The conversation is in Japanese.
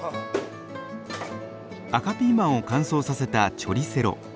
赤ピーマンを乾燥させたチョリセロ。